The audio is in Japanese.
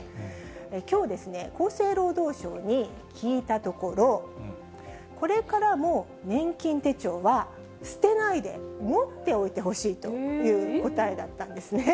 きょう、厚生労働省に聞いたところ、これからも年金手帳は捨てないで持っておいてほしいという答えだったんですね。